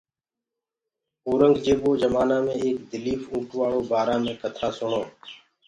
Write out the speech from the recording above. اورنٚگجيبو جمآنآ مي ايڪ دليٚڦ اوٽواݪو بآرآ مي ڪٿا سُڻو